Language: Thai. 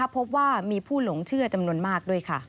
พบว่ามีผู้หลงเชื่อจำนวนมาก